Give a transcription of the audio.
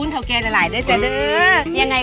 หยิบได้เลย